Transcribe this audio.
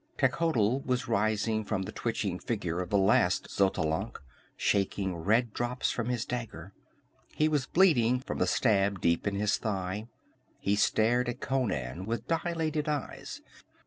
Techotl was rising from the twitching figure of the last Xotalanc, shaking red drops from his dagger. He was bleeding from the stab deep in the thigh. He stared at Conan with dilated eyes.